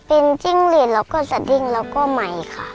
เป็นจิ้งหลีดแล้วก็สดิ้งแล้วก็ใหม่ค่ะ